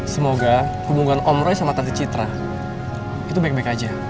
semoga hubungan om roy sama tante citra itu baik baik aja